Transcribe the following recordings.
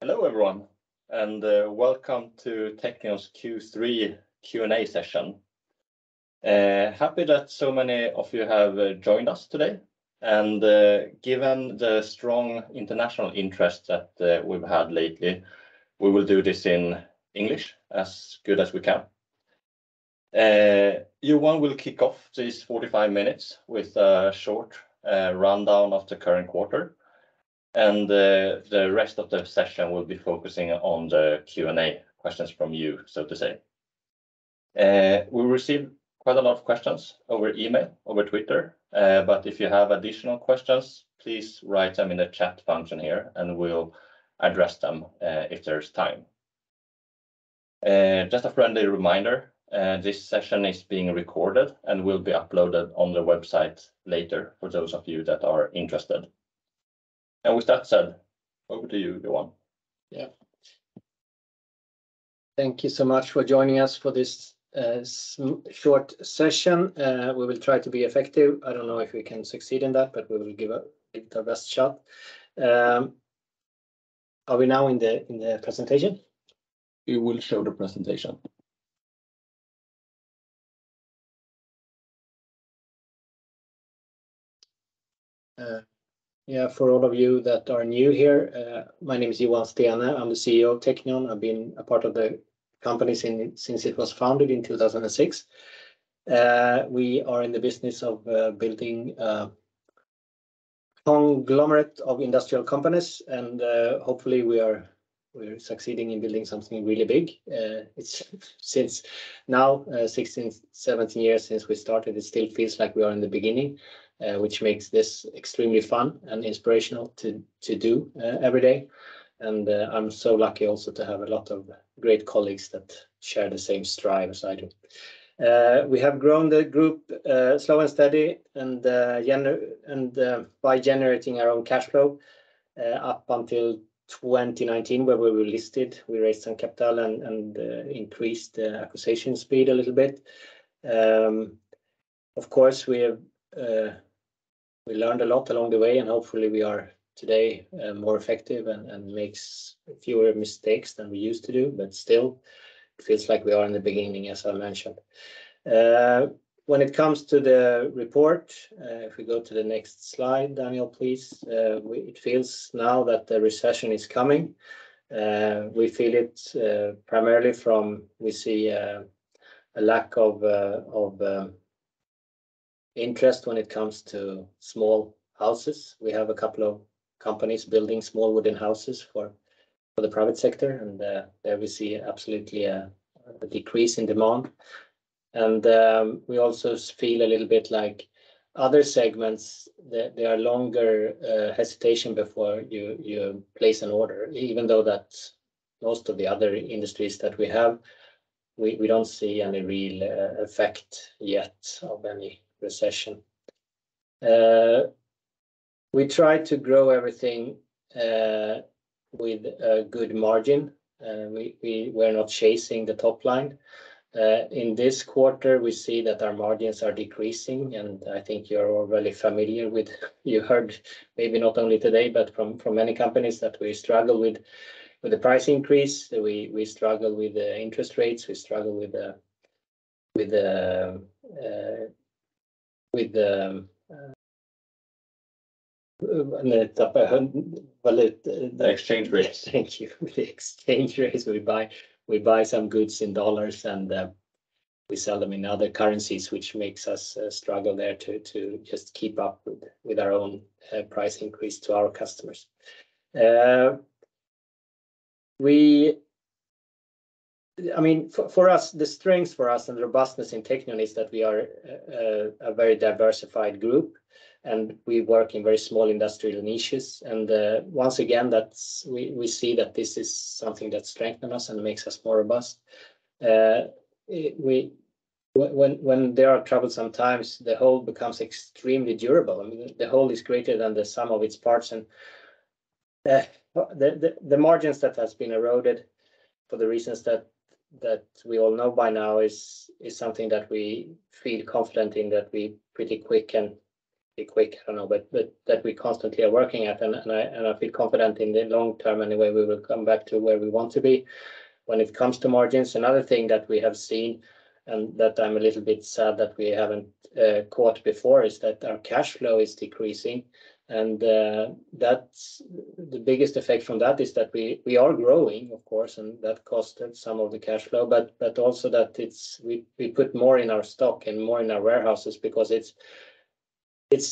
Hello, everyone, and Welcome to Teqnion's Q3 Q&A session. Happy that so many of you have joined us today, and given the strong international interest that we've had lately, we will do this in English as good as we can. Johan will kick off this 45 minutes with a short rundown of the current quarter, and the rest of the session will be focusing on the Q&A questions from you, so to say. We received quite a lot of questions over email, over Twitter, but if you have additional questions, please write them in the chat function here and we'll address them if there's time. Just a friendly reminder, this session is being recorded and will be uploaded on the website later for those of you that are interested. With that said, over to you, Johan. Yeah. Thank you so much for joining us for this short session. We will try to be effective. I don't know if we can succeed in that, but we will give it our best shot. Are we now in the presentation? We will show the presentation. Yeah, for all of you that are new here, my name is Johan Steene. I'm the CEO of Teqnion. I've been a part of the company since it was founded in 2006. We are in the business of building a conglomerate of industrial companies, and hopefully we are succeeding in building something really big. Since now 16, 17 years since we started, it still feels like we are in the beginning, which makes this extremely fun and inspirational to do every day. I'm so lucky also to have a lot of great colleagues that share the same strive as I do. We have grown the group slow and steady, and by generating our own cash flow up until 2019, where we were listed. We raised some capital and increased the acquisition speed a little bit. Of course, we learned a lot along the way, and hopefully we are today more effective and makes fewer mistakes than we used to do, but still feels like we are in the beginning, as I mentioned. When it comes to the report, if we go to the next slide, Daniel, please, it feels now that the recession is coming. We feel it primarily from we see a lack of interest when it comes to small houses. We have a couple of companies building small wooden houses for the private sector and there we see absolutely a decrease in demand. We also feel a little bit like other segments that there are longer hesitation before you place an order, even though that most of the other industries that we have, we don't see any real effect yet of any recession. We try to grow everything with a good margin. We're not chasing the top line. In this quarter, we see that our margins are decreasing, and I think you're all really familiar with. You heard maybe not only today, but from many companies that we struggle with the price increase. We struggle with the interest rates. We struggle with the, The exchange rates. Thank you. The exchange rates. We buy some goods in Dollars, and we sell them in other currencies, which makes us struggle there to just keep up with our own price increase to our customers. I mean, for us, the strength and robustness in Teqnion is that we are a very diversified group, and we work in very small industrial niches. Once again, we see that this is something that strengthen us and makes us more robust. When there are trouble sometimes, the whole becomes extremely durable. I mean, the whole is greater than the sum of its parts. The margins that has been eroded for the reasons that we all know by now is something that we feel confident in, that we constantly are working at. I feel confident in the long term, anyway, we will come back to where we want to be when it comes to margins. Another thing that we have seen, and that I'm a little bit sad that we haven't caught before, is that our cash flow is decreasing. That's the biggest effect from that is that we are growing, of course, and that cost some of the cash flow, but also that it's we put more in our stock and more in our warehouses because it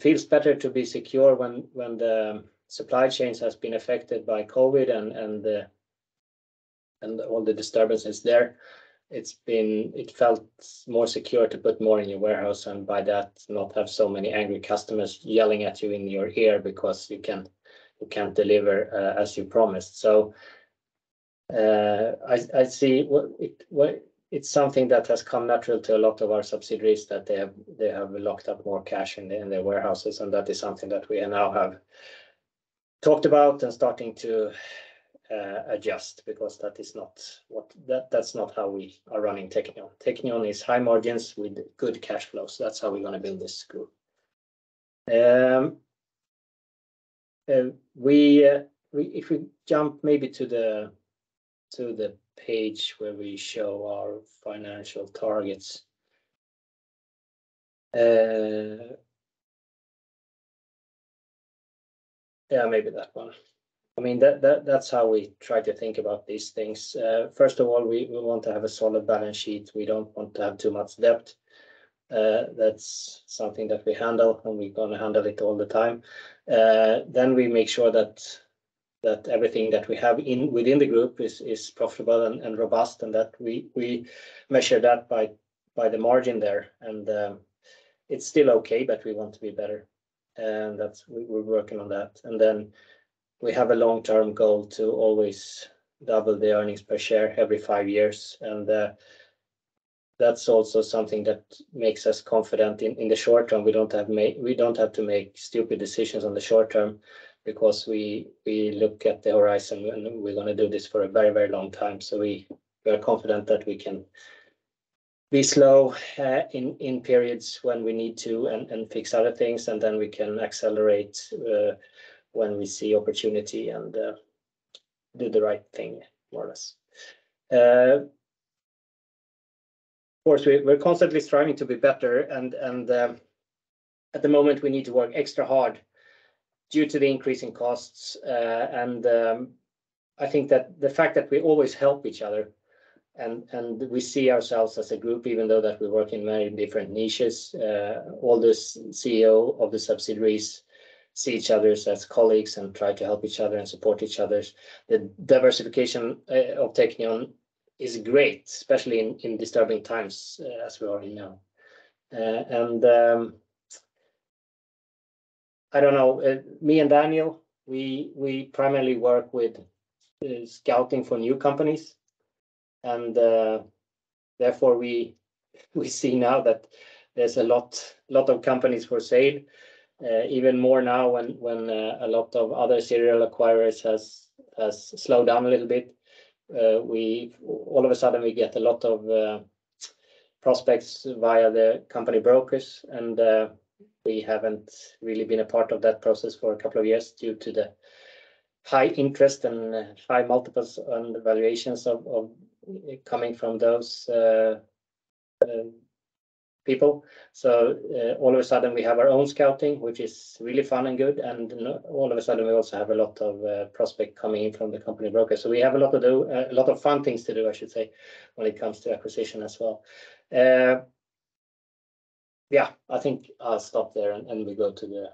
feels better to be secure when the supply chains has been affected by COVID and all the disturbances there. It felt more secure to put more in your warehouse, and by that, not have so many angry customers yelling at you in your ear because you can't deliver as you promised. It's something that has come natural to a lot of our subsidiaries that they have locked up more cash in their warehouses, and that is something that we now have talked about and starting to adjust because that's not how we are running Teqnion. Teqnion is high margins with good cash flows. That's how we're gonna build this group. If we jump maybe to the page where we show our financial targets. Yeah, maybe that one. I mean, that's how we try to think about these things. First of all, we want to have a solid balance sheet. We don't want to have too much debt. That's something that we handle, and we're gonna handle it all the time. We make sure that everything that we have within the group is profitable and robust, and that we measure that by the margin there. It's still okay, but we want to be better. That's. We're working on that. We have a long-term goal to always double the earnings per share every five years. That's also something that makes us confident in the short term. We don't have to make stupid decisions on the short term because we look at the horizon, and we're gonna do this for a very, very long time. We are confident that we can be slow in periods when we need to and fix other things, and then we can accelerate when we see opportunity and do the right thing more or less. Of course, we're constantly striving to be better and at the moment, we need to work extra hard due to the increasing costs. I think that the fact that we always help each other and we see ourselves as a group even though that we work in very different niches, all the CEOs of the subsidiaries see each other as colleagues and try to help each other and support each other. The diversification of Teqnion is great, especially in disturbing times, as we already know. I don't know, me and Daniel, we primarily work with scouting for new companies, and therefore, we see now that there's a lot of companies for sale, even more now when a lot of other Serial Acquirers has slowed down a little bit. All of a sudden, we get a lot of prospects via the company brokers, and we haven't really been a part of that process for a couple of years due to the high interest and high multiples and valuations of coming from those people. All of a sudden, we have our own scouting, which is really fun and good, and all of a sudden, we also have a lot of prospect coming in from the company broker. We have a lot to do, a lot of fun things to do, I should say, when it comes to acquisition as well. Yeah, I think I'll stop there, and we go to the-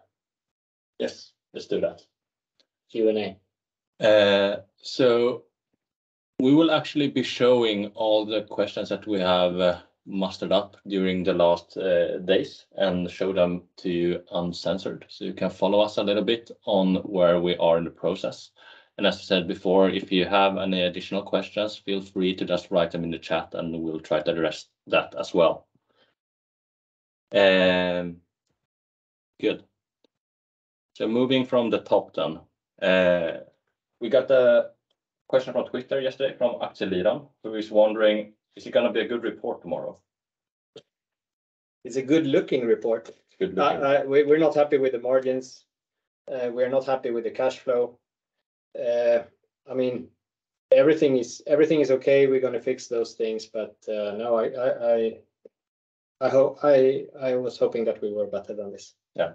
Yes, let's do that. Q&A. We will actually be showing all the questions that we have mustered up during the last days and show them to you uncensored, so you can follow us a little bit on where we are in the process. As I said before, if you have any additional questions, feel free to just write them in the chat, and we will try to address that as well. Good. Moving from the top down, we got a question from Twitter yesterday from Axeliram, who is wondering, "Is it gonna be a good report tomorrow? It's agood-looking report. It's good-looking. We're not happy with the margins. We're not happy with the cash flow. I mean, everything is okay. We're gonna fix those things. No, I was hoping that we were better than this. Yeah.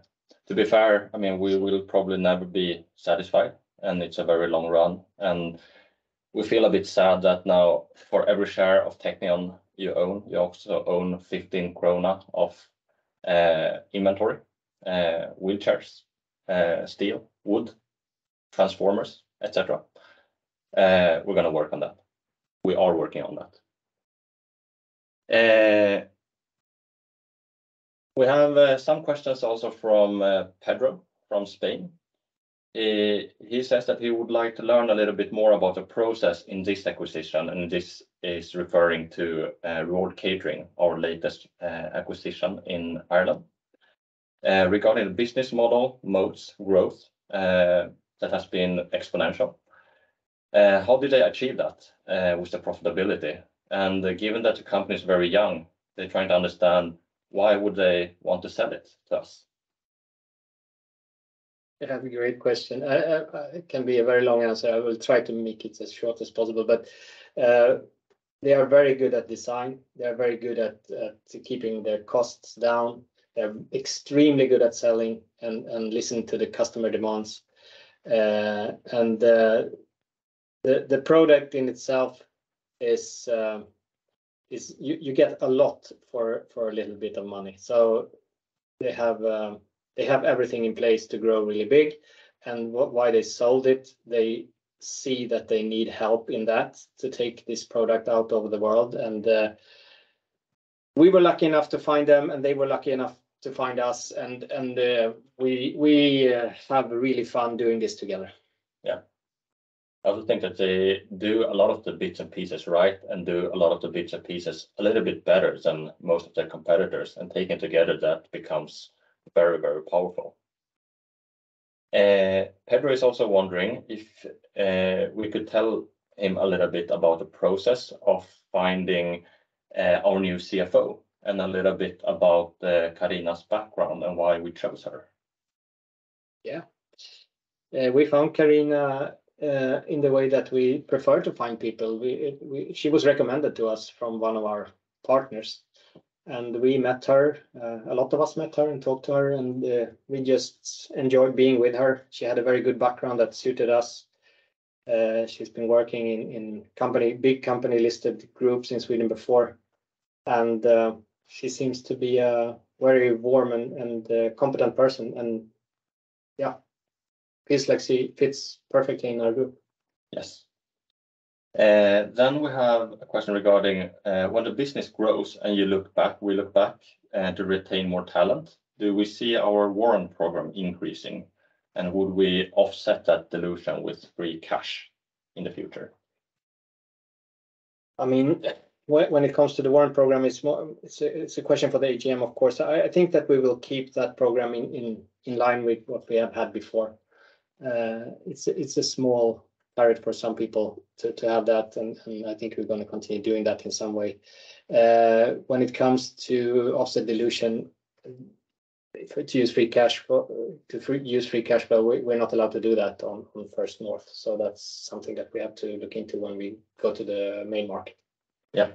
To be fair, I mean, we will probably never be satisfied, and it's a very long run. We feel a bit sad that now for every share of Teqnion you own, you also own 15 krona of inventory, wheelchairs, steel, wood, transformers, et cetera. We're gonna work on that. We are working on that. We have some questions also from Pedro from Spain. He says that he would like to learn a little bit more about the process in this acquisition, and this is referring to Reward Catering, our latest acquisition in Ireland. Regarding the business model, moats, growth that has been exponential, how did they achieve that with the profitability? Given that the company is very young, they're trying to understand why would they want to sell it to us. That's a great question. It can be a very long answer. I will try to make it as short as possible. They are very good at design. They are very good at keeping their costs down. They're extremely good at selling and listening to the customer demands. The product in itself is you get a lot for a little bit of money. So they have everything in place to grow really big. Why they sold it, they see that they need help in that to take this product out over the world. We were lucky enough to find them, and they were lucky enough to find us. We have really fun doing this together. Yeah. I also think that they do a lot of the bits and pieces right and do a lot of the bits and pieces a little bit better than most of their competitors, and taken together, that becomes very, very powerful. Pedro is also wondering if we could tell him a little bit about the process of finding our new CFO and a little bit about Carina's background and why we chose her. Yeah. We found Carina in the way that we prefer to find people. She was recommended to us from one of our partners, and we met her. A lot of us met her and talked to her, and we just enjoyed being with her. She had a very good background that suited us. She's been working in company, big company-listed groups in Sweden before, and she seems to be a very warm and competent person. Yeah, feels like she fits perfectly in our group. Yes. We have a question regarding when the business grows, and we look back to retain more talent, do we see our warrant program increasing, and would we offset that dilution with free cash in the future? I mean, when it comes to the warrant program, it's a question for the AGM, of course. I think that we will keep that program in line with what we have had before. It's a small carrot for some people to have that, and I think we're gonna continue doing that in some way. When it comes to offset dilution, if to use Free Cash Flow, we're not allowed to do that on First North, so that's something that we have to look into when we go to the main market. Yeah.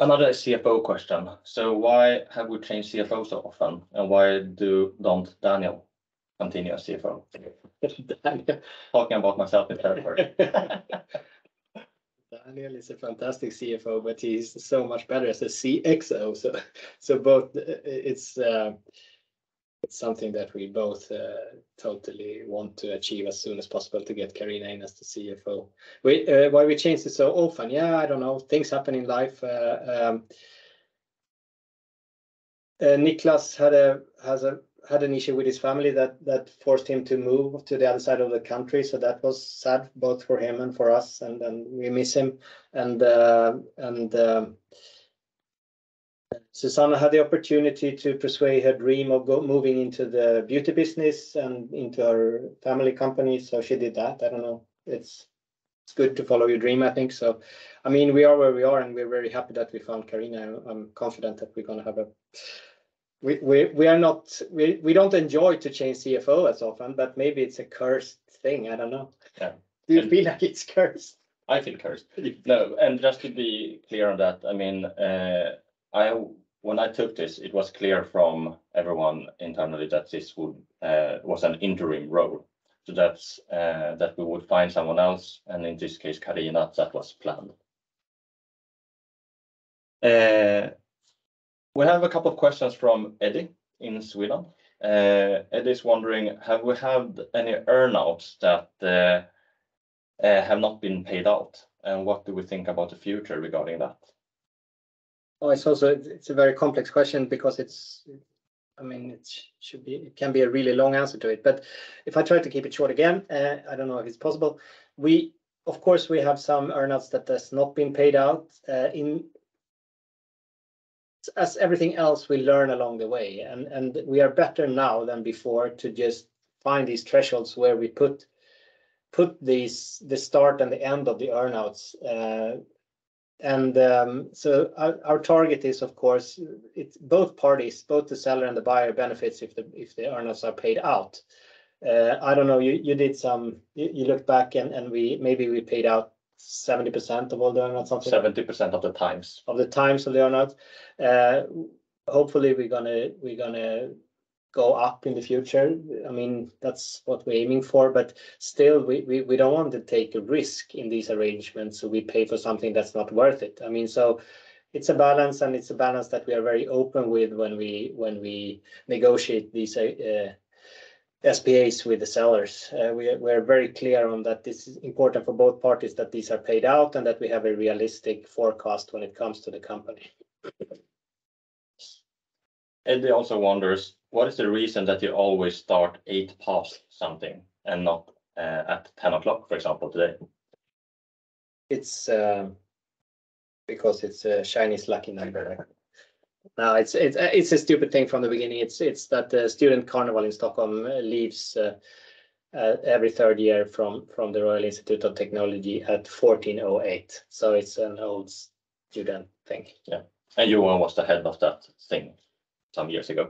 Another CFO question. Why have we changed CFOs so often, and why don't Daniel continue as CFO? Daniel. Talking about myself in third person. Daniel is a fantastic CFO, but he's so much better as a CXO. It's something that we both totally want to achieve as soon as possible, to get Carina in as the CFO. Why we change it so often. Yeah, I don't know. Things happen in life. Nicklas had an issue with his family that forced him to move to the other side of the country, so that was sad both for him and for us, and we miss him. Susanna had the opportunity to pursue her dream of moving into the beauty business and into her family company, so she did that. I don't know. It's good to follow your dream, I think so. I mean, we are where we are, and we're very happy that we found Carina. I'm confident that we're gonna have a. We don't enjoy to change CFO as often, but maybe it's a cursed thing. I don't know. Yeah. Do you feel like it's cursed? I feel cursed. No, just to be clear on that, I mean, when I took this, it was clear from everyone internally that this was an interim role. That's that we would find someone else, and in this case, Carina. That was planned. We have a couple of questions from Eddie in Sweden. Eddie's wondering, have we had any Earn-Outs that have not been paid out, and what do we think about the future regarding that? It's a very complex question because I mean, it can be a really long answer to it. If I try to keep it short again, I don't know if it's possible. Of course, we have some Earn-Outs that has not been paid out. As everything else, we learn along the way, and we are better now than before to just find these thresholds where we put these, the start and the end of the Earn-Outs. Our target is, of course, it's both parties, both the seller and the buyer benefits if the Earn-Outs are paid out. I don't know. You looked back, and we maybe paid out 70% of all the Earn-Outs. 70% of the times. Of the terms of the Earn-Out. Hopefully we're gonna go up in the future. I mean, that's what we're aiming for, but still, we don't want to take a risk in these arrangements, so we pay for something that's not worth it. I mean, so it's a balance, and it's a balance that we are very open with when we negotiate these SPAs with the sellers. We are very clear on that this is important for both parties that these are paid out and that we have a realistic forecast when it comes to the company. Eddie also wonders, what is the reason that you always start eight past something and not at ten o'clock, for example, today? It's because it's a Chinese lucky number. No, it's a stupid thing from the beginning. It's that the student carnival in Stockholm leaves every third year from the Royal Institute of Technology at 2:08 P.M., so it's an old student thing. Yeah. Johan was the head of that thing some years ago.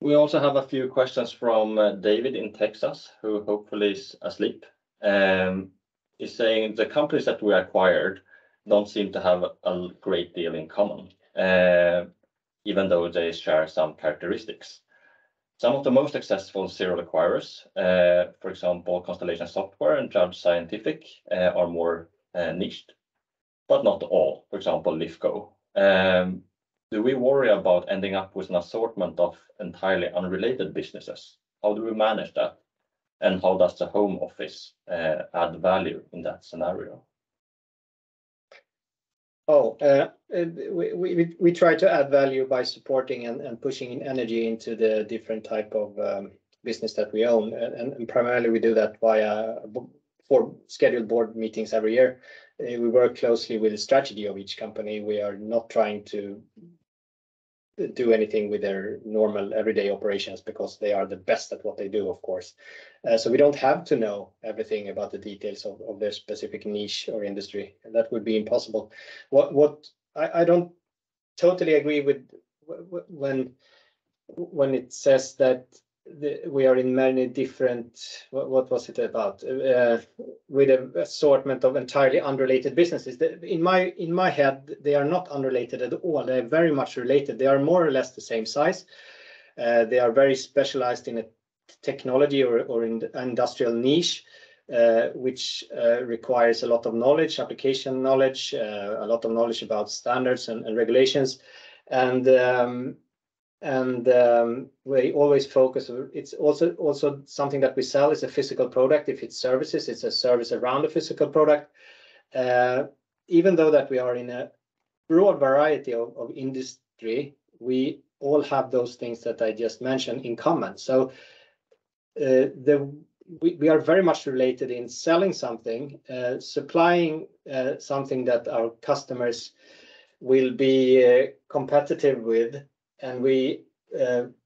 We also have a few questions from David in Texas, who hopefully is asleep. He's saying the companies that we acquired don't seem to have a great deal in common, even though they share some characteristics. Some of the most successful Serial Acquirers, for example, Constellation Software and Judges Scientific, are more niched, but not all, for example, Lifco. Do we worry about ending up with an assortment of entirely unrelated businesses? How do we manage that, and how does the home office add value in that scenario? We try to add value by supporting and pushing energy into the different type of business that we own. Primarily we do that via four scheduled board meetings every year. We work closely with the strategy of each company. We are not trying to do anything with their normal everyday operations because they are the best at what they do, of course. We don't have to know everything about the details of their specific niche or industry, and that would be impossible. I don't totally agree with when it says that we are in many different. What was it about? With an assortment of entirely unrelated businesses. In my head, they are not unrelated at all. They're very much related. They are more or less the same size. They are very specialized in a technology or in industrial niche, which requires a lot of knowledge, application knowledge, a lot of knowledge about standards and regulations. It's also something that we sell is a physical product. If it's services, it's a service around a physical product. Even though that we are in a broad variety of industry, we all have those things that I just mentioned in common. We are very much related in selling something, supplying something that our customers will be competitive with, and we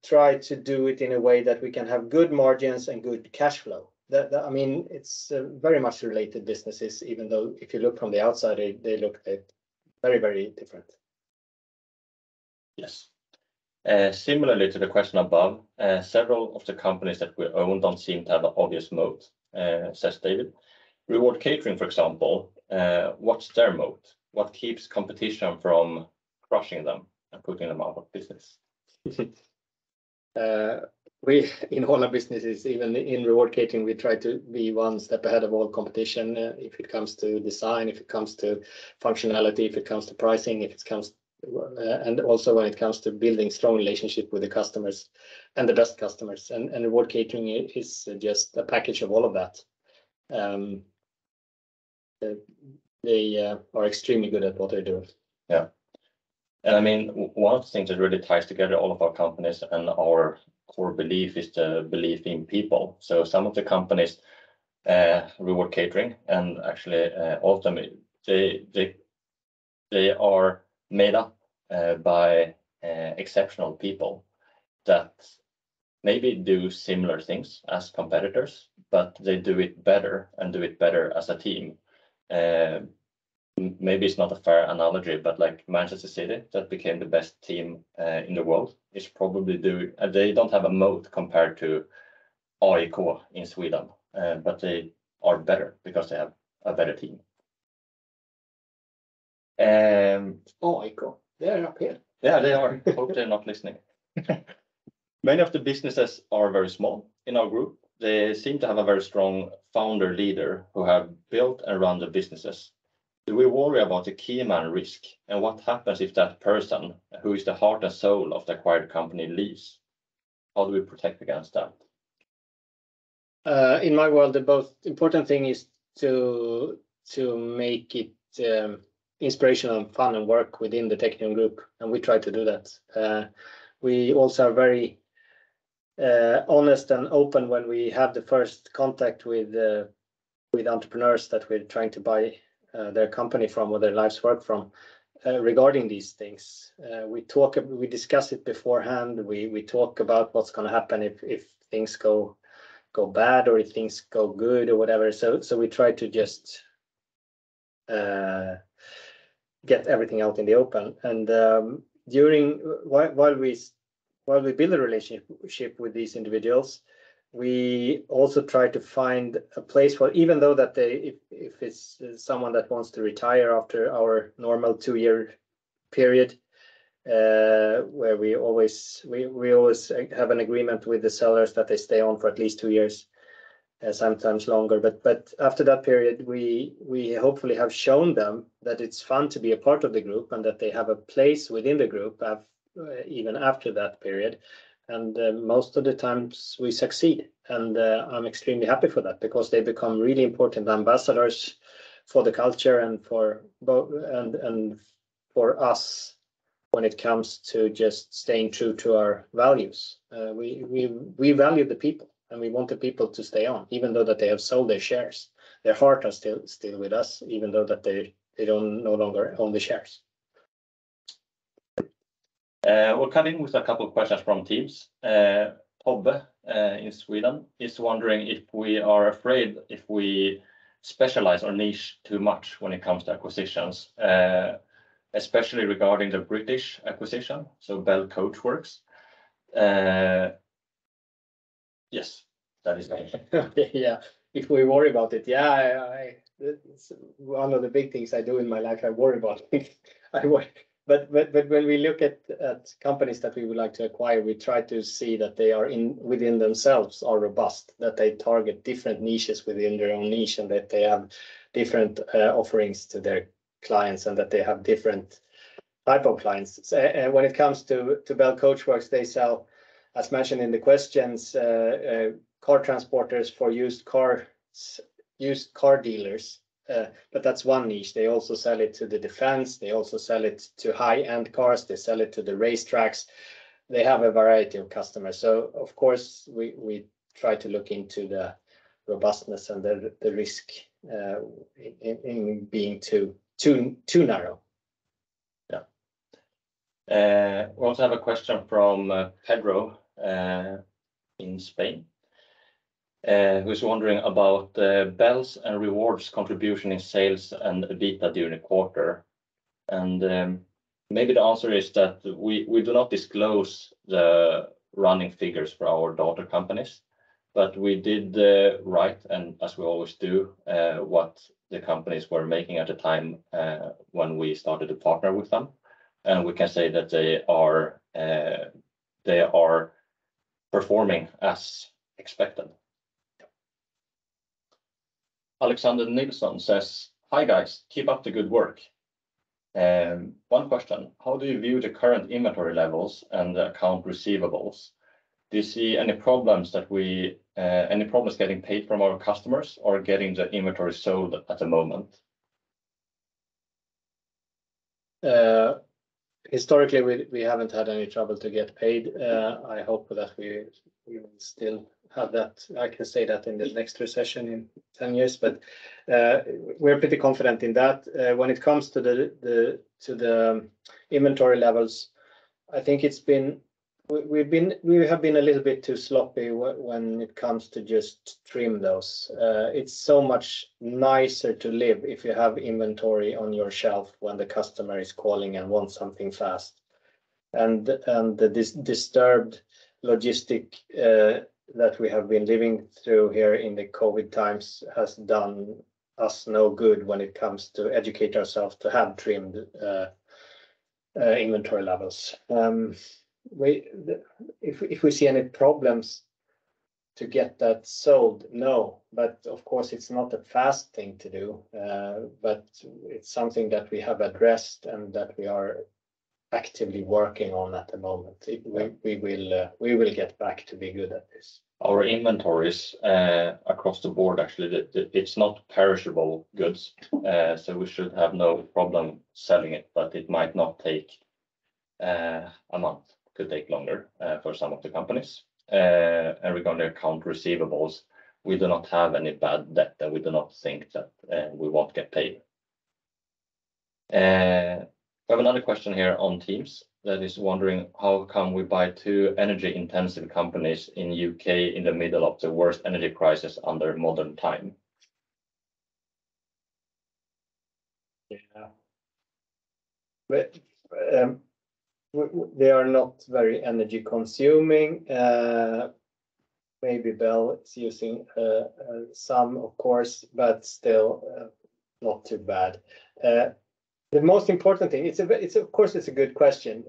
try to do it in a way that we can have good margins and good cash flow. That, I mean, it's very much related businesses, even though if you look from the outside, they look very, very different. Yes. Similarly to the question above, several of the companies that we own don't seem to have an obvious moat, says David. Reward Catering, for example, what's their moat? What keeps competition from crushing them and putting them out of business? We, in all our businesses, even in Reward Catering, we try to be one step ahead of all competition, if it comes to design, if it comes to functionality, if it comes to pricing, and also when it comes to building strong relationship with the customers and the best customers. Reward Catering is just a package of all of that. They are extremely good at what they do. Yeah. I mean, one of the things that really ties together all of our companies and our core belief is the belief in people. Some of the companies, Reward Catering, and actually, all of them, they are made up by exceptional people that maybe do similar things as competitors, but they do it better and do it better as a team. Maybe it's not a fair analogy, but like Manchester City that became the best team in the world is probably They don't have a moat compared to AIK in Sweden, but they are better because they have a better team. AIK, they are up here. Yeah, they are. Hope they're not listening. Many of the businesses are very small in our group. They seem to have a very strong founder leader who have built and run the businesses. Do we worry about the key man risk, and what happens if that person who is the heart and soul of the acquired company leaves? How do we protect against that? In my world, the most important thing is to make it inspirational and fun and work within the Teqnion Group, and we try to do that. We also are very honest and open when we have the first contact with entrepreneurs that we're trying to buy their company from or their life's work from regarding these things. We talk, we discuss it beforehand. We talk about what's gonna happen if things go bad or if things go good or whatever. We try to just get everything out in the open. While we build a relationship with these individuals, we also try to find a place where even though that they. If it's someone that wants to retire after our normal two-year period, where we always have an agreement with the sellers that they stay on for at least two years, sometimes longer. After that period, we hopefully have shown them that it's fun to be a part of the group and that they have a place within the group, even after that period. Most of the times we succeed, and I'm extremely happy for that because they become really important ambassadors for the culture and for us when it comes to just staying true to our values. We value the people, and we want the people to stay on, even though that they have sold their shares. Their heart are still with us, even though that they don't no longer own the shares. We'll cut in with a couple of questions from Teams. Tobbe, in Sweden, is wondering if we are afraid if we specialize or niche too much when it comes to acquisitions, especially regarding the British acquisition, so Belle Coachworks. Yes. That is my question. Yeah. If we worry about it, yeah, one of the big things I do in my life, I worry about things. I worry. When we look at companies that we would like to acquire, we try to see that they are within themselves robust, that they target different niches within their own niche, and that they have different offerings to their clients, and that they have different type of clients. When it comes to Belle Coachworks, they sell, as mentioned in the questions, car transporters for used car dealers. But that's one niche. They also sell it to the defense. They also sell it to high-end cars. They sell it to the racetracks. They have a variety of customers. Of course, we try to look into the robustness and the risk in being too narrow. Yeah. We also have a question from Pedro in Spain who's wondering about Belle's and Reward's contribution in sales and EBITDA during the quarter. Maybe the answer is that we do not disclose the running figures for our daughter companies, but as we always do what the companies were making at the time when we started to partner with them, and we can say that they are performing as expected. Yeah. Alexander Nicholson says, "Hi, guys. Keep up the good work. One question: How do you view the current inventory levels and accounts receivable? Do you see any problems getting paid from our customers or getting the inventory sold at the moment? Historically, we haven't had any trouble to get paid. I hope that we will still have that. I can say that in the next recession in 10 years, but we're pretty confident in that. When it comes to the inventory levels, I think we have been a little bit too sloppy when it comes to just trim those. It's so much nicer to live if you have inventory on your shelf when the customer is calling and wants something fast. The disturbed logistics that we have been living through here in the COVID times has done us no good when it comes to educate ourselves to have trimmed inventory levels. If we see any problems to get that sold? No. Of course, it's not a fast thing to do, but it's something that we have addressed and that we are actively working on at the moment. We will get back to be good at this. Our inventories, across the board, actually, it's not perishable goods, so we should have no problem selling it, but it might not take a month. Could take longer for some of the companies. Regarding accounts receivable, we do not have any bad debt that we do not think that we won't get paid. I have another question here on Teams that is wondering, "How come we buy two energy-intensive companies in U.K. in the middle of the worst energy crisis under modern time? Yeah. They are not very energy-consuming. Maybe Belle is using some, of course, but still, not too bad. The most important thing. It's of course a good question.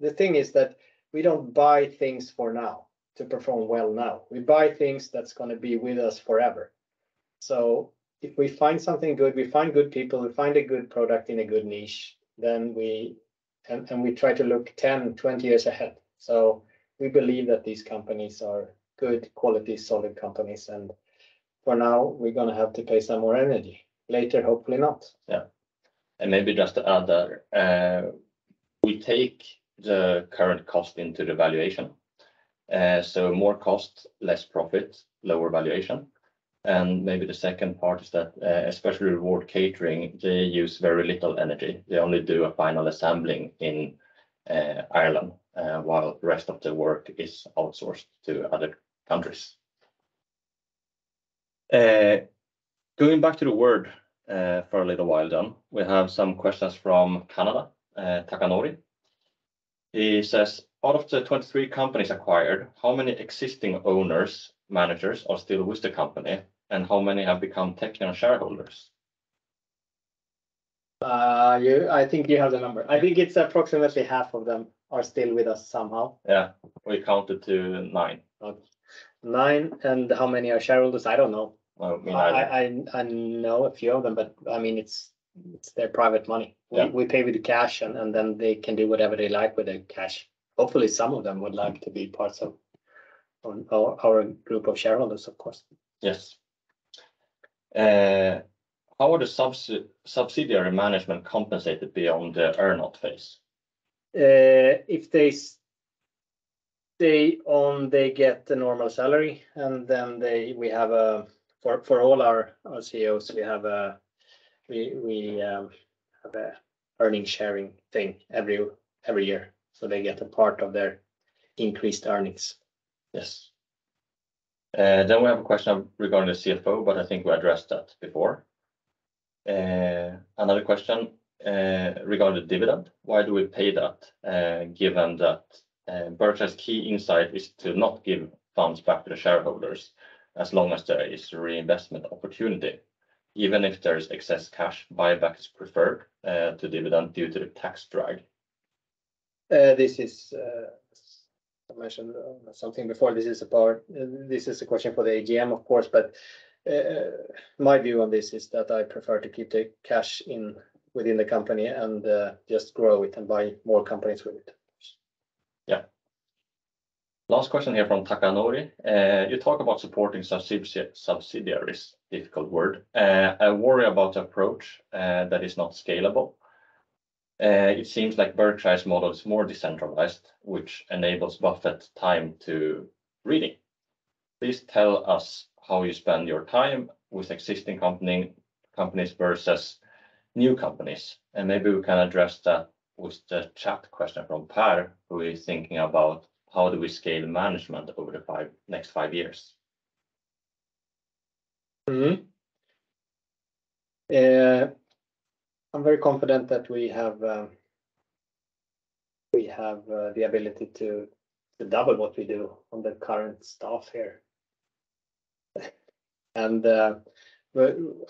The thing is that we don't buy things for now to perform well now. We buy things that's gonna be with us forever. If we find something good, we find good people, we find a good product in a good niche, then we try to look 10, 20 years ahead. We believe that these companies are good quality, solid companies, and for now, we're gonna have to pay some more energy. Later, hopefully not. Yeah. Maybe just to add there, we take the current cost into the valuation. More cost, less profit, lower valuation. Maybe the second part is that, especially Reward Catering, they use very little energy. They only do a final assembling in Ireland, while the rest of the work is outsourced to other countries. Going back to the word for a little while, Dan, we have some questions from Canada, Takanori. He says, "Out of the 23 companies acquired, how many existing owners, managers are still with the company, and how many have become Teqnion shareholders? I think you have the number. I think it's approximately half of them are still with us somehow. Yeah. We counted to nine. Oh, nine, and how many are shareholders? I don't know. I don't know either. I know a few of them, but I mean, it's their private money. Yeah. We pay with the cash and then they can do whatever they like with the cash. Hopefully, some of them would like to be part of our group of shareholders, of course. Yes. How are the subsidiary management compensated beyond the Earn-Out phase? If they own, they get the normal salary, and then we have, for all our CEOs, an earnings-sharing thing every year, so they get a part of their increased earnings. Yes. We have a question regarding the CFO, but I think we addressed that before. Another question regarding dividend. Why do we pay that, given that Buffett's key insight is to not give funds back to the shareholders as long as there is a reinvestment opportunity? Even if there is excess cash, buyback is preferred to dividend due to the tax drag. I mentioned something before. This is a question for the AGM, of course, but my view on this is that I prefer to keep the cash in within the company and just grow it and buy more companies with it. Yeah. Last question here from Takanori. You talk about supporting subsidiaries, difficult word. I worry about approach that is not scalable. It seems like Berkshire's model is more decentralized, which enables Buffett time to reading. Please tell us how you spend your time with existing companies versus new companies, and maybe we can address that with the chat question from Per, who is thinking about how do we scale management over the next five years. I'm very confident that we have the ability to double what we do on the current staff here. I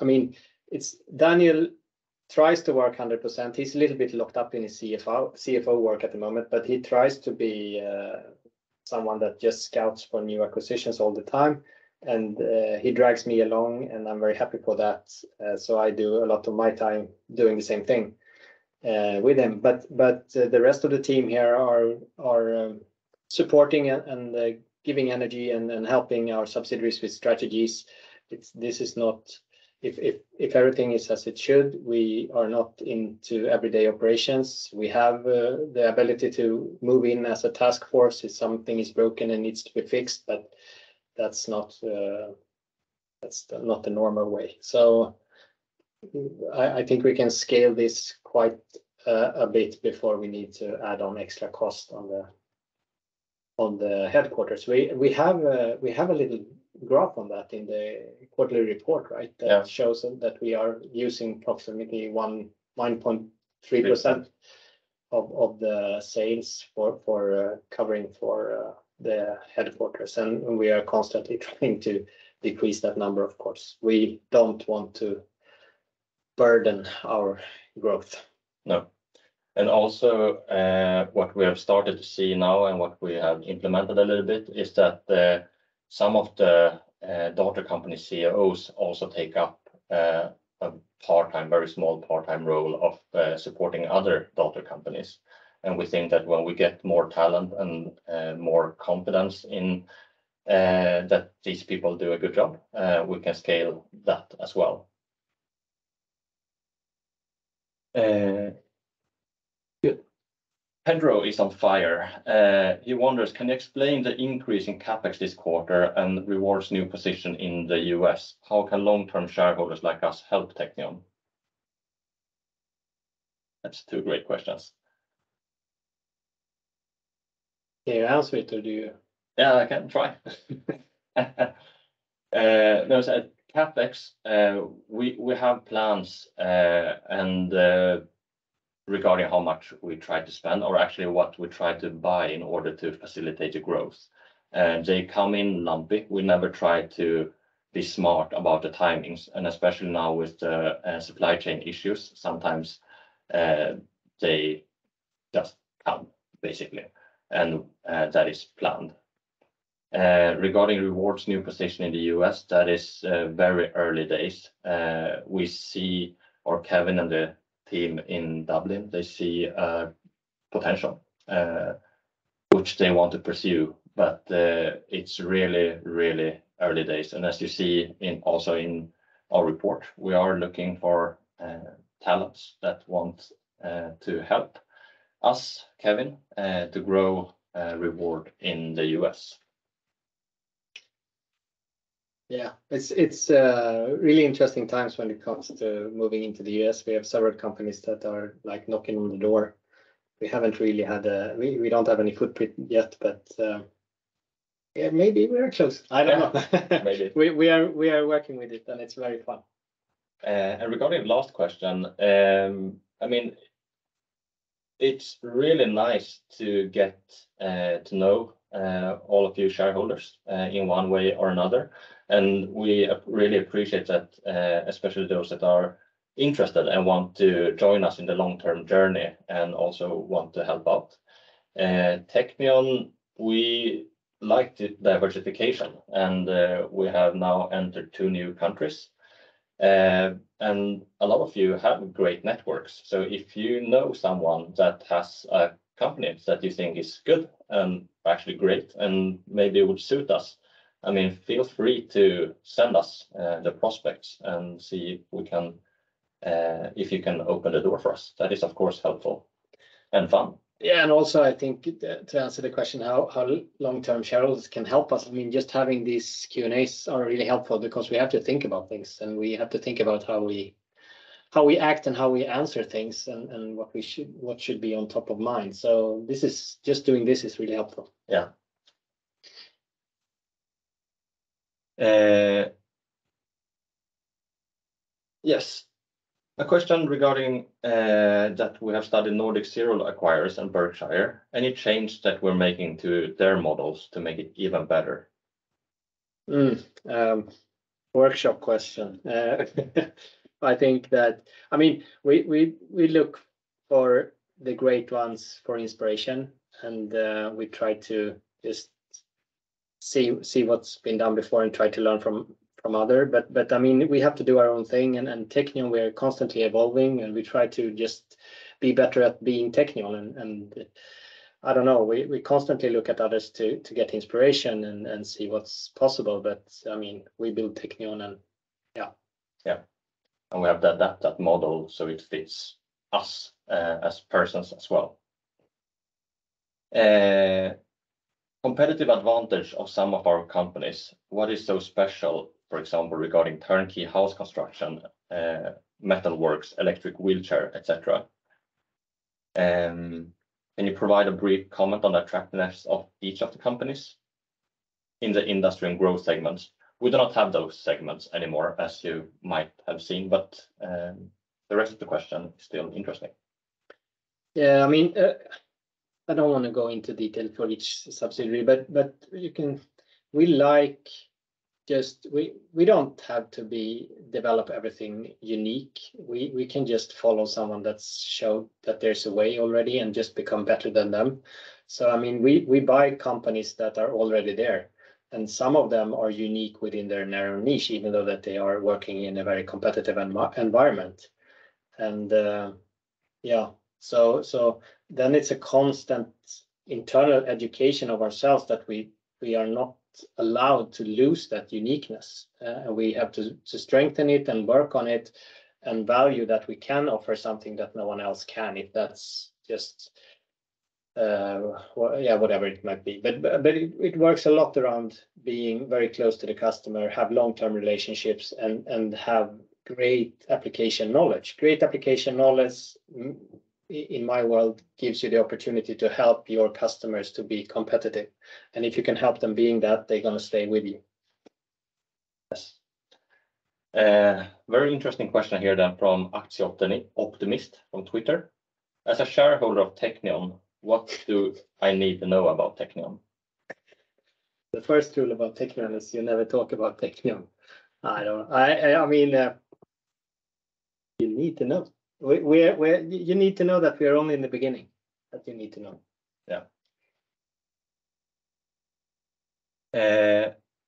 mean, Daniel tries to work 100%. He's a little bit locked up in his CFO work at the moment, but he tries to be someone that just scouts for new acquisitions all the time, and he drags me along, and I'm very happy for that. I do a lot of my time doing the same thing with him. The rest of the team here are supporting and giving energy and helping our subsidiaries with strategies. This is not. If everything is as it should, we are not into everyday operations. We have the ability to move in as a task force if something is broken and needs to be fixed, but that's not the normal way. I think we can scale this quite a bit before we need to add on extra cost on the headquarters. We have a little graph on that in the quarterly report, right? Yeah. That shows that we are using approximately 19.3% of the sales for covering the headquarters, and we are constantly trying to decrease that number, of course. We don't want to burden our growth. No. Also, what we have started to see now and what we have implemented a little bit is that some of the daughter company CEOs also take up a part-time, very small part-time role of supporting other daughter companies. We think that when we get more talent and more confidence in that these people do a good job, we can scale that as well. Good. Pedro is on fire. He wonders, can you explain the increase in CapEx this quarter and Reward's new position in the U.S? How can long-term shareholders like us help Teqnion? That's two great questions. Can you answer it or do you? Yeah, I can try. There's a CapEx. We have plans, and regarding how much we try to spend or actually what we try to buy in order to facilitate the growth. They come in lumpy. We never try to be smart about the timings, and especially now with the supply chain issues, sometimes they just come, basically, and that is planned. Regarding Reward's new position in the U.S, that is very early days. We see, or Kevin and the team in Dublin, they see potential which they want to pursue, but it's really, really early days. As you see also in our report, we are looking for talents that want to help us, Kevin, to grow Reward in the U.S. Yeah. It's really interesting times when it comes to moving into the U.S. We have several companies that are, like, knocking on the door. We don't have any footprint yet, but yeah, maybe we are close. I don't know. Maybe. We are working with it, and it's very fun. Regarding last question, I mean, it's really nice to get to know all of you shareholders in one way or another, and we really appreciate that, especially those that are interested and want to join us in the long-term journey and also want to help out. Teqnion, we like the diversification, and we have now entered two new countries. A lot of you have great networks, so if you know someone that has a company that you think is good and actually great and maybe would suit us, I mean, feel free to send us the prospects and see if we can, if you can open the door for us. That is, of course, helpful and fun. Yeah. Also, I think to answer the question how long-term shareholders can help us, I mean, just having these Q&As are really helpful because we have to think about things, and we have to think about how we act and how we answer things and what should be on top of mind. This is, just doing this is really helpful. Yeah. Yes. A question regarding that we have studied Nordic Serial Acquirers and Berkshire, any change that we're making to their models to make it even better? Workshop question. I mean, we look for the great ones for inspiration, and we try to just see what's been done before and try to learn from others. I mean, we have to do our own thing, and Teqnion, we are constantly evolving, and we try to just be better at being Teqnion. I don't know. We constantly look at others to get inspiration and see what's possible. I mean, we build Teqnion and yeah. Yeah. We have that model, so it fits us as persons as well. Competitive advantage of some of our companies, what is so special, for example, regarding turnkey house construction, metal works, electric wheelchair, et cetera? Can you provide a brief comment on the attractiveness of each of the companies in the industry and growth segments? We do not have those segments anymore, as you might have seen, but the rest of the question is still interesting. I mean, I don't want to go into detail for each subsidiary, but we don't have to develop everything unique. We can just follow someone that's showed that there's a way already and just become better than them. I mean, we buy companies that are already there, and some of them are unique within their narrow niche, even though they are working in a very competitive environment. It's a constant internal education of ourselves that we are not allowed to lose that uniqueness. We have to strengthen it and work on it and value that we can offer something that no one else can, if that's just whatever it might be. it works a lot around being very close to the customer, have long-term relationships, and have great application knowledge. Great application knowledge, in my world, gives you the opportunity to help your customers to be competitive. If you can help them being that, they're going to stay with you. Yes. Very interesting question here then from Aktieoptimist on Twitter: As a shareholder of Teqnion, what do I need to know about Teqnion? The first rule about Teqnion is you never talk about Teqnion. I mean, you need to know. You need to know that we are only in the beginning, that you need to know.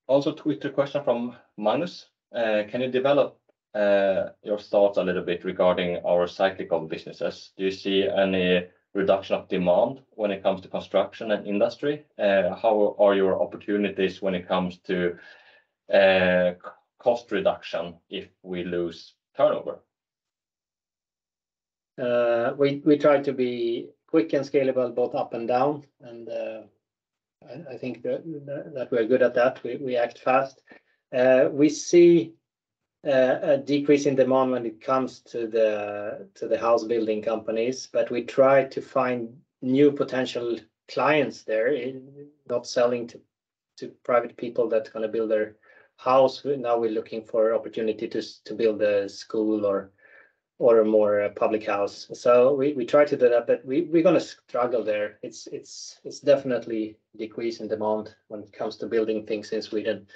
Also Twitter question from Magnus: Can you develop your thoughts a little bit regarding our cyclical businesses? Do you see any reduction of demand when it comes to construction and industry? How are your opportunities when it comes to cost reduction if we lose turnover? We try to be quick and scalable, both up and down. I think that we're good at that. We act fast. We see a decrease in demand when it comes to the house building companies, but we try to find new potential clients there, not selling to private people that's going to build their house. Now we're looking for opportunity to build a school or a more public house. We try to do that, but we're gonna struggle there. It's definitely decrease in demand when it comes to building things in Sweden.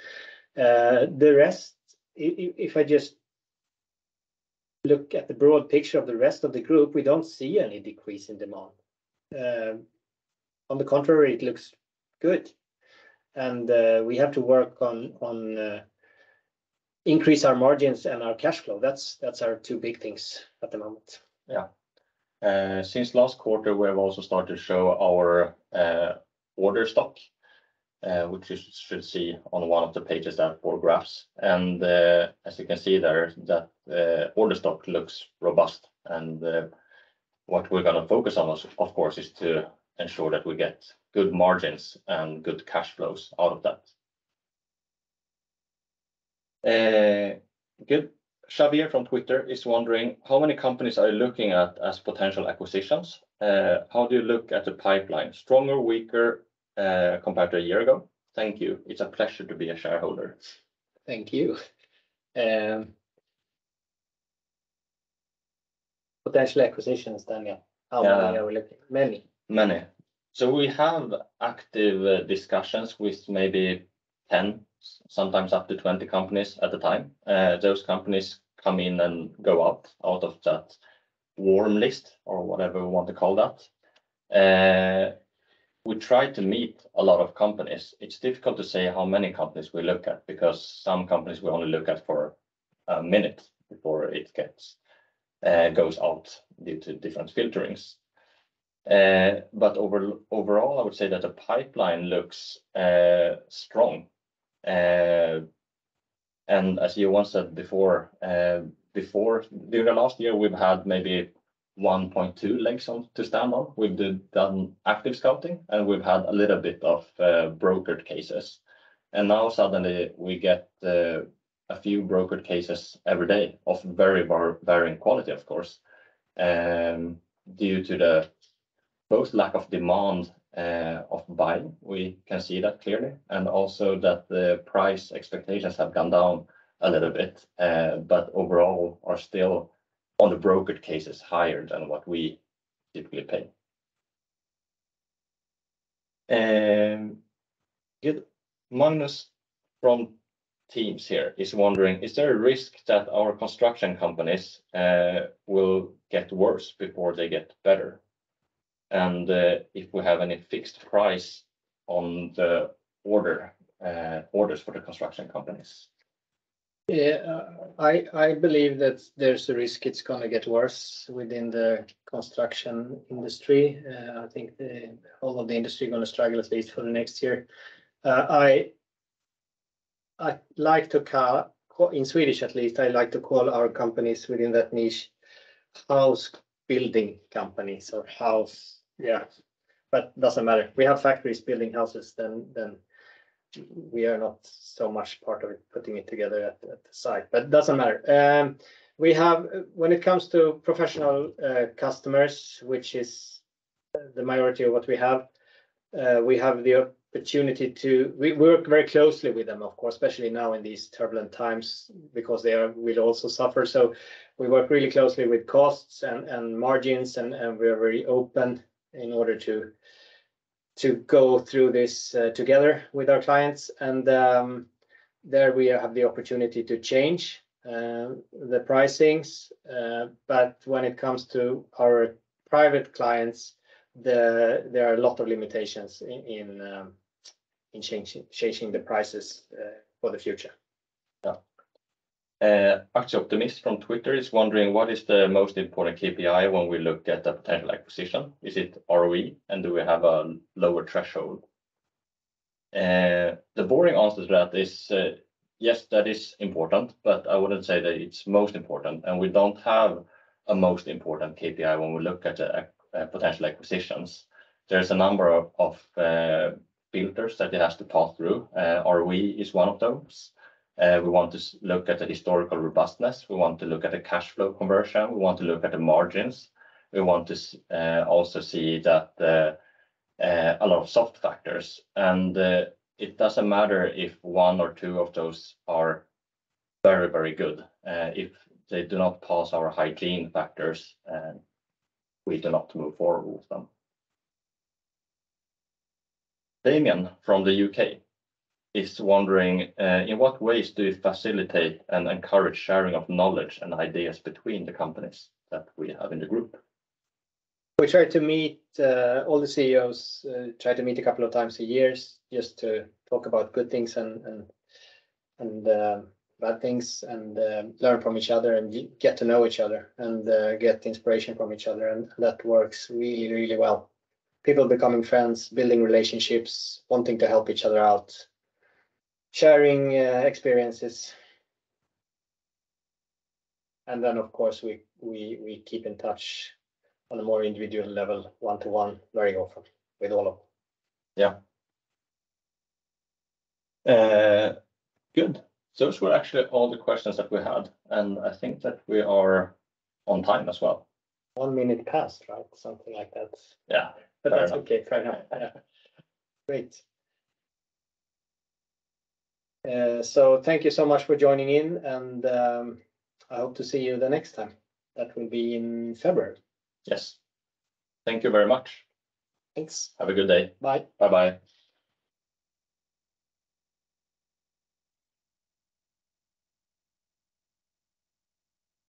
The rest, if I just look at the broad picture of the rest of the group, we don't see any decrease in demand. On the contrary, it looks good. We have to work on increase our margins and our cash flow. That's our two big things at the moment. Yeah. Since last quarter, we have also started to show our order stock, which you should see on one of the pages, the graphs. As you can see there, order stock looks robust. What we're going to focus on, of course, is to ensure that we get good margins and good cash flows out of that. Good. Xavier from Twitter is wondering, how many companies are you looking at as potential acquisitions? How do you look at the pipeline? Stronger, weaker, compared to a year ago? Thank you. It's a pleasure to be a shareholder. Thank you. Potential acquisitions, Daniel. How many are we looking? Many. Many. We have active discussions with maybe 10, sometimes up to 20 companies at a time. Those companies come in and go out of that warm list or whatever we want to call that. We try to meet a lot of companies. It's difficult to say how many companies we look at because some companies we only look at for a minute before it goes out due to different filterings. Overall, I would say that the pipeline looks strong. As you once said before, during the last year, we've had maybe 1.2 legs on to stand on. We've done active scouting, and we've had a little bit of brokered cases. Now suddenly we get a few brokered cases every day of very varying quality, of course, due to both the lack of demand for buying, we can see that clearly, and also that the price expectations have gone down a little bit, but overall are still on the brokered cases higher than what we typically pay. Good. Magnus from Teams here is wondering, "Is there a risk that our construction companies will get worse before they get better? And, if we have any fixed price on the orders for the construction companies? Yeah. I believe that there's a risk it's gonna get worse within the construction industry. I think all of the industry are gonna struggle at least for the next year. In Swedish at least, I like to call our companies within that niche house building companies or house- Yeah Doesn't matter. We have factories building houses, then we are not so much part of it, putting it together at the site. Doesn't matter. When it comes to professional customers, which is the majority of what we have, we have the opportunity to work very closely with them, of course, especially now in these turbulent times because they will also suffer. We work really closely with costs and margins and we are very open in order to go through this together with our clients. There we have the opportunity to change the pricings. When it comes to our private clients, there are a lot of limitations in changing the prices for the future. Yeah. Aktieoptimist from Twitter is wondering, "What is the most important KPI when we look at a potential acquisition? Is it ROE? And do we have a lower threshold?" The boring answer to that is, yes, that is important, but I wouldn't say that it's most important, and we don't have a most important KPI when we look at potential acquisitions. There's a number of filters that it has to pass through. ROE is one of those. We want to look at the historical robustness. We want to look at the cash flow conversion. We want to look at the margins. We want to also see that the a lot of soft factors. It doesn't matter if one or two of those are very, very good. If they do not pass our hygiene factors, we do not move forward with them. Damian from the U.K is wondering, "In what ways do you facilitate and encourage sharing of knowledge and ideas between the companies that we have in the group? We try to meet all the CEOs, try to meet a couple of times a year just to talk about good things and bad things and learn from each other and get to know each other and get inspiration from each other, and that works really well. People becoming friends, building relationships, wanting to help each other out, sharing experiences. Of course, we keep in touch on a more individual level, one-to-one, very often with all of them. Yeah. Good. Those were actually all the questions that we had, and I think that we are on time as well. One minute past, right? Something like that. Yeah. That's okay for now. Great. Thank you so much for joining in and I hope to see you the next time. That will be in February. Yes. Thank you very much. Thanks. Have a good day. Bye. Bye-bye.